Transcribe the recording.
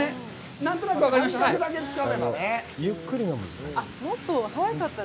何となく分かりました。